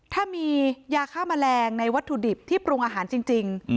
ถ้ามียาฆ่าแมลงในวัตถุดิบที่ปรุงอาหารจริง